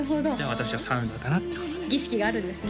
私はサウナかなってことで儀式があるんですね